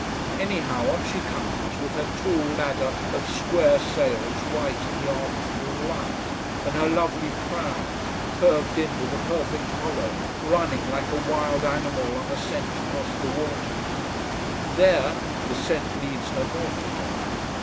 Anyhow on she comes, with her tall ladder of square sails white in the afternoon light, and her lovely prow, curved in with a perfect hollow, running like a wild animal on a scent across the waters. There the scent leads her north again.